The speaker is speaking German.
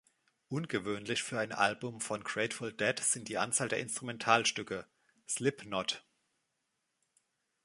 Ungewöhnlich für ein Album von Grateful Dead sind die Anzahl der Instrumentalstücke: Slipknot!